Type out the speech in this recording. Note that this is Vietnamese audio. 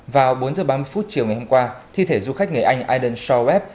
vào bốn giờ ba mươi phút chiều ngày hôm qua thi thể du khách người anh aiden shaw web